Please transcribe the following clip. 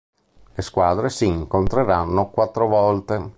Le squadre si incontreranno quattro volte.